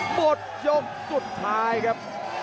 หมดยกสุดท้ายครับ